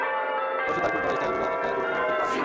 অবশ্য তার খুন করার স্টাইলগুলো অনেকটা যৌবন ফিরে পাওয়ার মত।